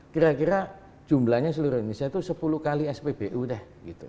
kira kira jumlahnya seluruh indonesia itu sepuluh kali spbu deh gitu